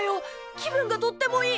気分がとってもいい！